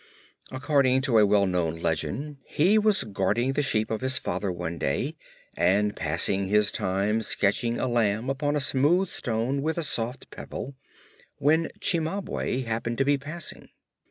According to a well known legend he was guarding the sheep of his father one day and passing his time sketching a lamb upon a smooth stone with a soft pebble when Cimabue happened to be passing.